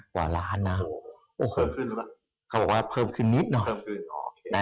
เขาบอกว่าเพิ่มขึ้นนิดหน่อย